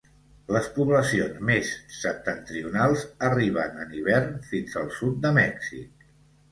Les poblacions més septentrionals arriben en hivern fins al sud de Mèxic.